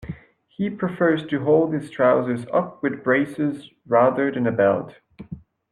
He prefers to hold his trousers up with braces rather than a belt